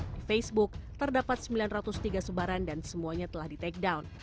di facebook terdapat sembilan ratus tiga sebaran dan semuanya telah di take down